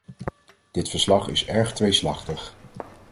Dit verslag is erg tweeslachtig.